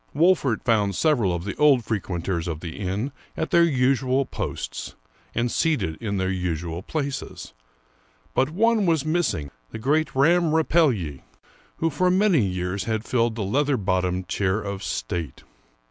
Wolfert found several of the old frequenters of the inn at their usual posts and seated in their usual places ; but one was missing, the great Ramm Rapelye, who for many years had filled the leather bottomed chair of state.